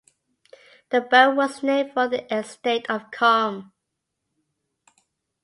The borough was named for the estate of Comm.